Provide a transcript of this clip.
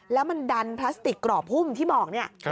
แล้วมันดันพลาสติกกรอบหุ้มที่บอกเนี่ย